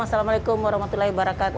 wassalamualaikum warahmatullahi wabarakatuh